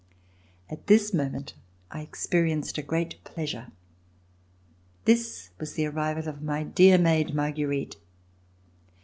At this moment I experienced a great pleasure; this was the arrival of my dear maid Marguerite.